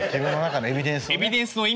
自分の中のエビデンスを。